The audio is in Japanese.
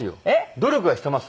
努力はしてます。